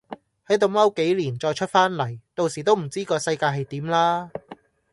係度踎幾年再出返嚟，到時都唔知個世界係點啦